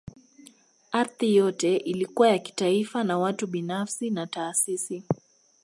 Ardhi yote ilikuwa ya kitaifa na watu binafsi na taasisi